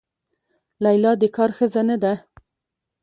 لیلا د کار ښځه نه ده.